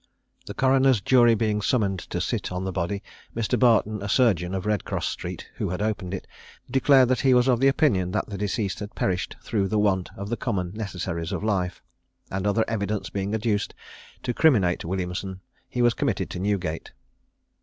The coroner's jury being summoned to sit on the body, Mr. Barton, a surgeon, of Redcross street, who had opened it, declared that he was of opinion that the deceased had perished through the want of the common necessaries of life; and other evidence being adduced to criminate Williamson, he was committed to Newgate.